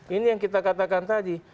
ini yang kita katakan tadi